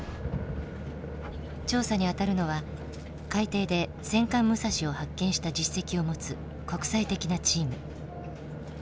調査に当たるのは海底で戦艦武蔵を発見した実績を持つ国際的なチーム。